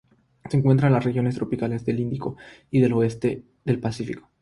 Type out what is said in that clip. Se encuentra en las regiones tropicales del Índico y del oeste del Pacífico.